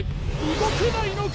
動けないのか？